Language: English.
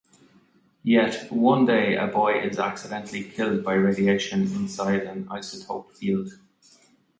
Yet, one day, a boy is accidentally killed by radiation inside an isotope field.